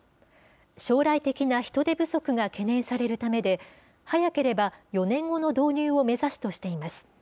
将来的な人手不足が懸念されるためで、速ければ４年後の導入を目指すとしています。